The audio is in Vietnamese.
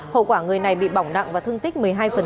hậu quả người này bị bỏng nặng và thương tích một mươi hai